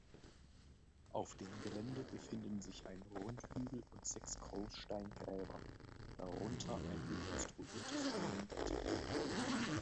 Auf dem Gelände befinden sich ein Rundhügel und sechs Großsteingräber, darunter ein rekonstruiertes Hünenbett.